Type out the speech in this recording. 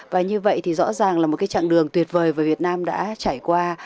và như vậy thì rõ ràng là một cái chặng đường tuyệt vời mà việt nam đã trải qua